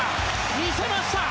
魅せました！